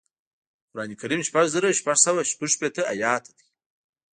قران کریم شپږ زره شپږ سوه شپږشپېته ایاته دی